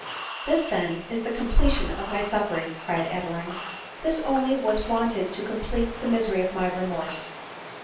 "This then is the completion of my sufferings," cried Adeline —" this only was wanted to complete the misery of my remorse."